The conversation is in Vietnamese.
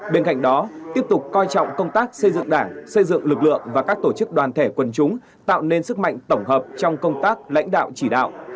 bên cạnh đó tiếp tục coi trọng công tác xây dựng đảng xây dựng lực lượng và các tổ chức đoàn thể quần chúng tạo nên sức mạnh tổng hợp trong công tác lãnh đạo chỉ đạo